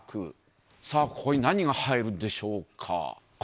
さあ、ここに何が入るんでしょうか。